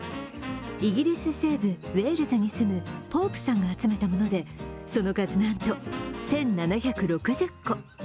イギリス西部・ウェールズに住むポープさんが集めたものでその数、なんと１７６０個。